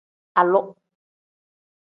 Halu.